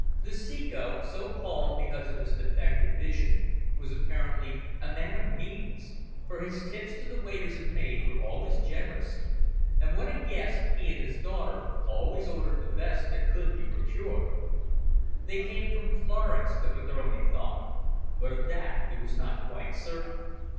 The Ceco, so called because of his defective vision, was apparently a man of means, for his tips to the waiters and maids were always generous, and when a guest, he and his daughter always ordered the best that could be procured. They came from Florence, the padrone thought, but of that he was not quite certain.